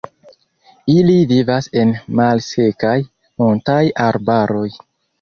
Ili vivas en malsekaj montaj arbaroj.